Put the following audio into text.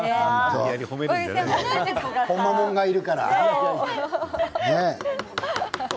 ほんまもんがいるから。